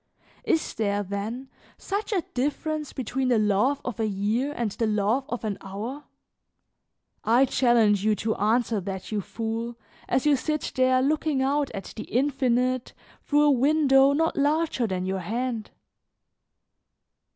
Is there, then, such a difference between the love of a year and the love of an hour? I challenge you to answer that, you fool, as you sit there looking out at the infinite through a window not larger than your hand.